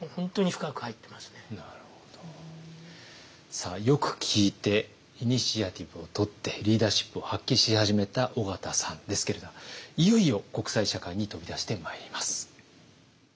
さあよく聞いてイニシアチブを取ってリーダーシップを発揮し始めた緒方さんですけれどいよいよ国際社会に飛び出してまいります。